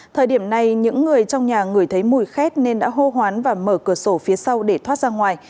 thời điểm này những người trong nhà người thấy mùi khét nên đã hô hoán và mở cửa sổ phía sau để thoát ra ngoài